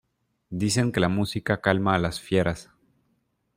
Dicen que la música calma a las fieras.